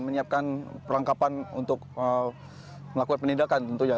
menyiapkan perlengkapan untuk melakukan penindakan tentunya